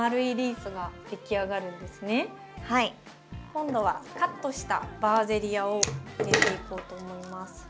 今度はカットしたバーゼリアを入れていこうと思います。